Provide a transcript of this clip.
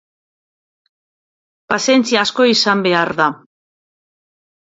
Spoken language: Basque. Pazientzia asko izan behar da.